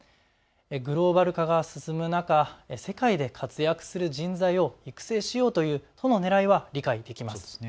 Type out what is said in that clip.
グローバル化が進む中、世界で活躍する人材を育成しようという都のねらいは理解できます。